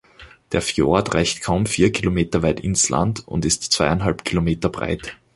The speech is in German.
Der Fjord reicht kaum vier Kilometer weit ins Land und ist zweieinhalb Kilometer breit.